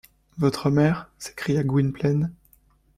Votre mère? s’écria Gwynplaine.